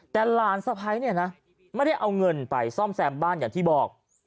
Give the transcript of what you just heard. แต่หลานสะพ้ายเนี่ยนะไม่ได้เอาเงินไปซ่อมแซมบ้านอย่างที่บอก